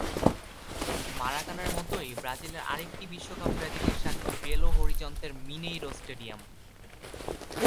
মারাকানার মতোই ব্রাজিলের আরেকটি বিশ্বকাপ ট্র্যাজেডির সাক্ষী বেলো হরিজন্তের মিনেইরো স্টেডিয়াম।